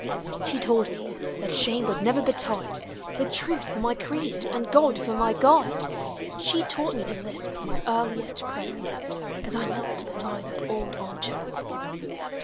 She told me that shame would never betide With Truth for my creed, and God for my guide, She taught me to lisp my earliest prayer, As I knelt beside that old arm chair.